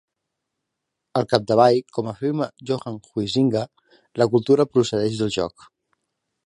Al capdavall, com afirma Johan Huizinga, la cultura procedeix del joc.